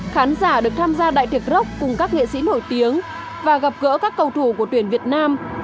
khán giả được tham gia đại tiệc rock cùng các nghệ sĩ nổi tiếng và gặp gỡ các cầu thủ của tuyển việt nam